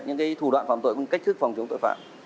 những thủ đoạn phạm tội cách thức phòng chống tội phạm